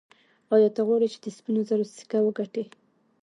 ایا ته غواړې چې د سپینو زرو سکه وګټې.